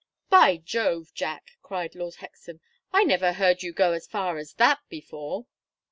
"By Jove, Jack!" cried Lord Hexam. "I never heard you go as far as that before."